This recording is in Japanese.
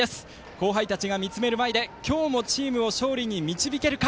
後輩たちが見つめる前で今日もチームを勝利に導けるか。